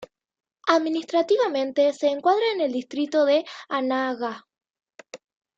Administrativamente se encuadra en el distrito de Anaga.